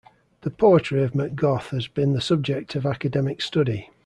The poetry of McGough has been the subject of academic study.